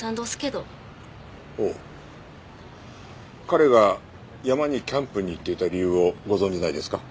彼が山にキャンプに行っていた理由をご存じないですか？